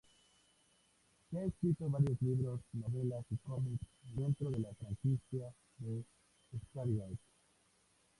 Se han escrito varios libros, novelas y cómics, dentro de la franquicia de Stargate.